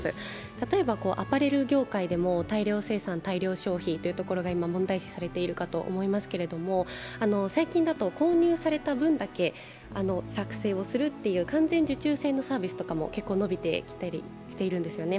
例えば、アパレル業界でも大量生産大量消費というところが今問題視されていると思いますが最近だと購入された分だけ作製をするという完全受注性のサービスとかも結構伸びてきているんですよね。